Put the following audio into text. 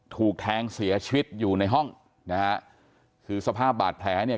ถูกแทงเสียชีวิตอยู่ในห้องนะฮะคือสภาพบาดแผลเนี่ย